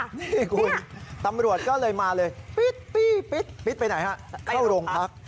นี่คุณตำรวจก็เลยมาเลยปิ๊ดไปไหนฮะเข้าโรงพัก